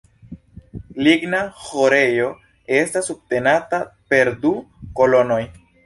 Ligna ĥorejo estas subtenata per du kolonoj.